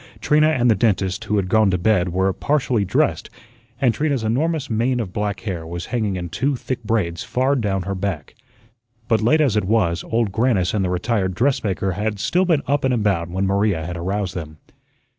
Trina and the dentist, who had gone to bed, were partially dressed, and Trina's enormous mane of black hair was hanging in two thick braids far down her back. But, late as it was, Old Grannis and the retired dressmaker had still been up and about when Maria had aroused them.